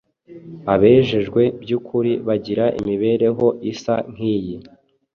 Abejejwe by’ukuri bagira imibereho isa nk’iyi.